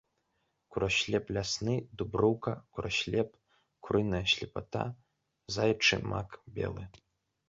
Кураслеп лясны, дуброўка, кураслеп, курыная слепата, заячы мак белы.